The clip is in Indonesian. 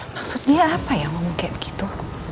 maksudnya apa ya ngomong kayak begitu